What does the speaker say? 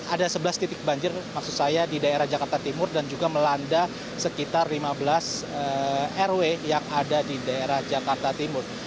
ada sebelas titik banjir maksud saya di daerah jakarta timur dan juga melanda sekitar lima belas rw yang ada di daerah jakarta timur